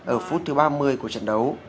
ở phút thứ ba mươi của trận đấu